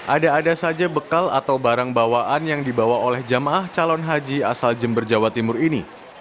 ada ada saja bekal atau barang bawaan yang dibawa oleh jamaah calon haji asal jember jawa timur ini